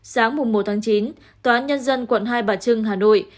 sáng một tháng chín tòa án nhân dân quận hai bà trưng hà nội